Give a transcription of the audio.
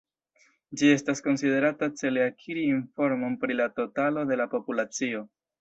Ĝi estas konsiderata cele akiri informon pri la totalo de la populacio.